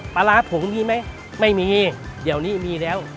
ปลาร้าผงมีไหมไม่มีเดี๋ยวนี้มีแล้ว